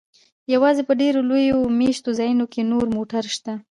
یوازې په ډیرو لویو میشت ځایونو کې نور موټر شته